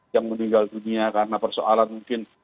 yang meninggal dunia karena persoalan mungkin